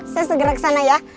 saya segera ke sana ya